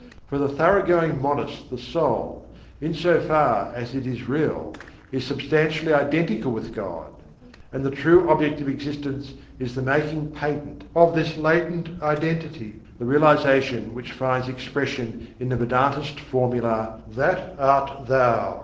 For the thorough going monist the soul, in so far as it is real, is substantially identical with God; and the true object of existence is the making patent of this latent identity, the realization which finds expression in the Vedântist formula "That art thou."